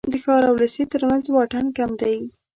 د ښار او لېسې تر منځ واټن کم دی.